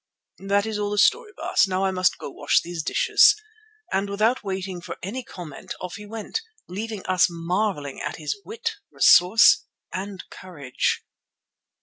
"That is all the story, Baas. Now I must go to wash those dishes," and without waiting for any comment off he went, leaving us marvelling at his wit, resource and courage.